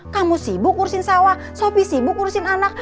kamu sibuk urusin sawah sopi sibuk urusin anak